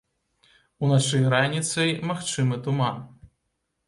Уначы і раніцай магчымы туман.